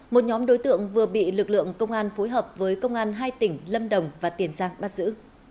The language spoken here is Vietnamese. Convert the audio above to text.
một nhóm đối tượng vừa bị lực lượng công an phối hợp với công an hai tỉnh lâm đồng và tiền giang bắt giữ